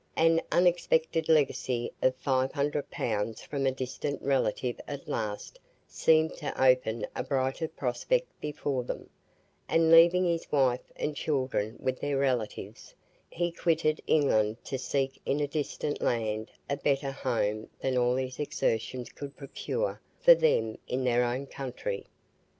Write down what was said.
An unexpected legacy of 500 pounds from a distant relative at last seemed to open a brighter prospect before them; and leaving his wife and children with their relatives, he quitted England to seek in a distant land a better home than all his exertions could procure for them in their own country.